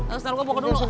ah sendal gua buka dulu